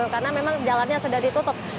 karena memang jalannya sudah ditutup